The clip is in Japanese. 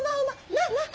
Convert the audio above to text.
なあなあ？